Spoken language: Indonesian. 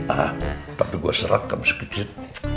ah tapi gua serak sama sekicet